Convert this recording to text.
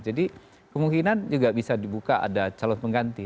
jadi kemungkinan juga bisa dibuka ada calon pengganti